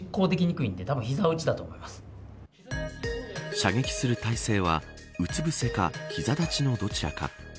射撃する態勢はうつぶせか膝立ちのどちらか。